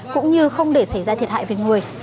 cũng như không để xảy ra thiệt hại về người